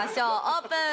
オープン！